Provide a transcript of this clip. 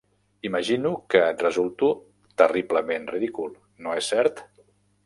Imagino que et resulto terriblement ridícul, no és cert?